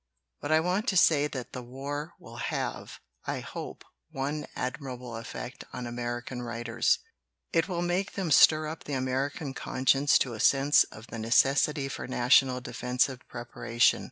But I want to say that the war will have, I hope, one admirable effect on American writers it will make them stir up the American conscience to a sense of the necessity for national defensive prepara tion.